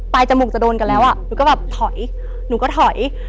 จมูกจะโดนกันแล้วอ่ะหนูก็แบบถอยหนูก็ถอย